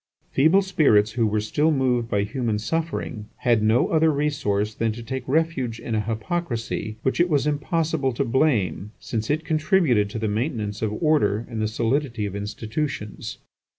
Feeble spirits who were still moved by human suffering had no other resource than to take refuge in a hypocrisy which it was impossible to blame, since it contributed to the maintenance of order and the solidity of institutions.